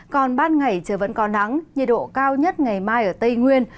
còn ban ngày trời vẫn có nắng nhiệt độ cao nhất ngày mai ở tây nguyên